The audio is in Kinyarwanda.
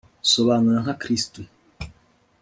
Sobanura nka kristu